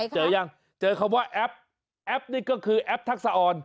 เจอยังเจอคำว่าแอปนี้ก็คือแอปทักษะออนโปร์ส่งหน้า